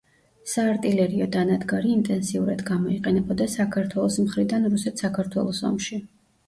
საარტილერიო დანადგარი ინტენსიურად გამოიყენებოდა საქართველოს მხრიდან რუსეთ საქართველოს ომში.